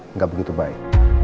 enggak begitu baik